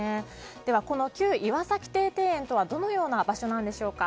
では、この旧岩崎邸庭園とはどのような場所なんでしょうか。